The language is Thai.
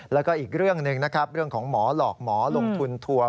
แล้วก็อีกเรื่องหนึ่งนะครับเรื่องของหมอหลอกหมอลงทุนทัวร์